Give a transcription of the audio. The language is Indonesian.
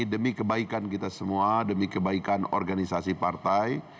demi kebaikan kita semua demi kebaikan organisasi partai